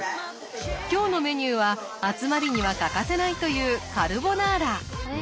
今日のメニューは集まりには欠かせないというカルボナーラ。